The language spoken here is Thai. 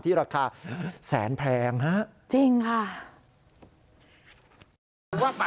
ที่ราคาแสนแพงฮะ